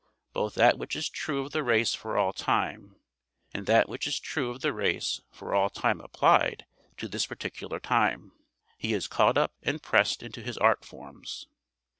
Both that which is true of the race for all time, and that which is true of the race for all time applied to this particular time, he has caught up and pressed into his art forms.